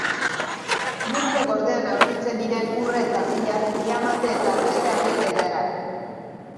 Lurpe gordean aurkitzen diren urre eta zilar, diamante eta beste harri ederrak.